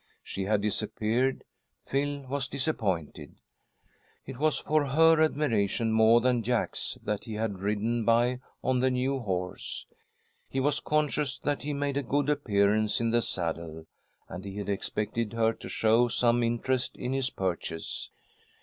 She had disappeared. Phil was disappointed. It was for her admiration more than Jack's that he had ridden by on the new horse. He was conscious that he made a good appearance in the saddle, and he had expected her to show some interest in his purchase.